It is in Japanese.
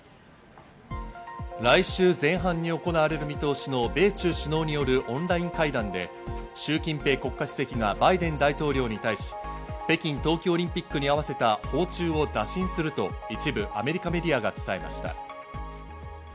来週前半に行われる見通しの米中首脳によるオンライン会談で、シュウ・キンペイ国家主席がバイデン大統領に対し、北京冬季オリンピックに合わせた訪中を打診すると一部アメリカメディアが伝えました。